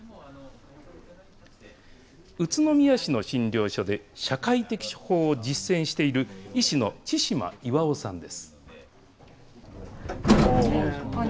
宇都宮市の診療所で、社会的処方を実践している医師の千嶋巌さんです。